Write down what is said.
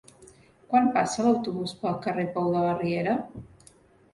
Quan passa l'autobús pel carrer Pou de la Riera?